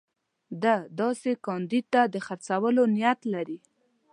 ده داسې کاندید ته د خرڅولو نیت لري.